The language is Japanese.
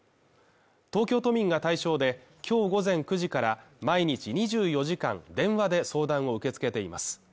東京都民が対象で、今日午前９時から毎日２４時間電話で相談を受け付けています。